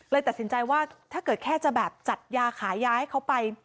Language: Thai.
ตัดสินใจว่าถ้าเกิดแค่จะแบบจัดยาขายยาให้เขาไป